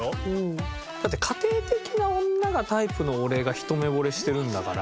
だって「家庭的な女がタイプの俺」が一目惚れしてるんだから。